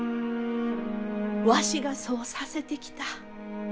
わしがそうさせてきた。